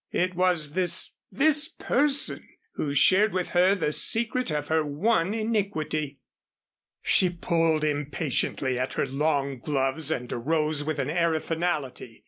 It was this this person who shared with her the secret of her one iniquity. She pulled impatiently at her long gloves and arose with an air of finality.